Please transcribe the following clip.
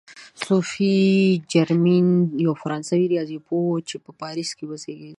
صوفي جرمین یوه فرانسوي ریاضي پوهه وه چې په پاریس کې وزېږېده.